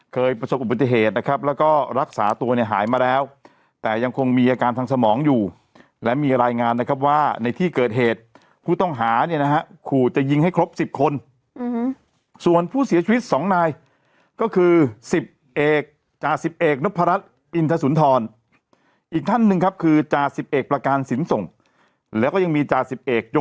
เคยประสบอุบัติเหตุนะครับแล้วก็รักษาตัวเนี่ยหายมาแล้วแต่ยังคงมีอาการทางสมองอยู่และมีรายงานนะครับว่าในที่เกิดเหตุผู้ต้องหาเนี่ยนะฮะขู่จะยิงให้ครบสิบคนส่วนผู้เสียชีวิตสองนายก็คือสิบเอกจาสิบเอกนพรัชอินทสุนทรอีกท่านหนึ่งครับคือจาสิบเอกประการสินส่งแล้วก็ยังมีจ่าสิบเอกย